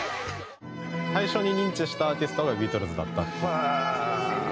最初に認知したアーティストがビートルズだったっていう。